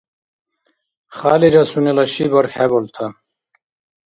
Хялира сунела ши бархьхебалта.